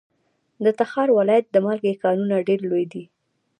د تخار ولایت د مالګې کانونه ډیر لوی دي.